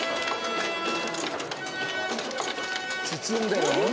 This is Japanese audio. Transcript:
包んでる？